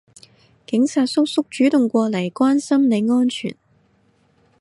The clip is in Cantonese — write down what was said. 警察叔叔主動過嚟關心你安全